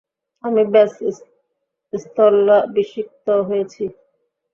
আমি ব্যস স্থলাভিষিক্ত হয়েছি।